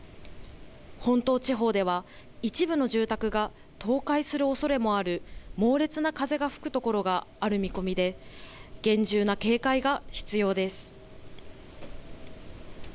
本島地方では、一部の住宅が倒壊するおそれもある猛烈な風が吹く所がある見込みで、厳重な警戒が必要です。